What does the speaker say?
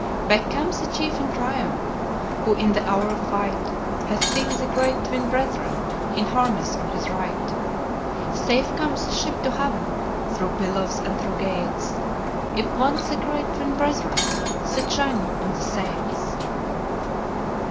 "Back comes the chief in triumph Who in the hour of fight Hath seen the great Twin Brethren In harness on his right. Safe comes the ship to haven, Through billows and through gales. If once the great Twin Brethren Sit shining on the sails."